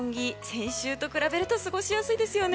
先週と比べると過ごしやすいですよね。